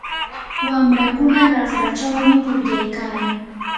wamrakuna raqrachawmi pukllaykayan.